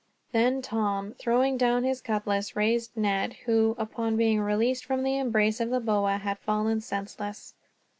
Then Tom, throwing down his cutlass, raised Ned; who, upon being released from the embrace of the boa, had fallen senseless.